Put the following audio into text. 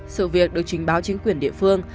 sự việc được trình báo chính quyền địa phương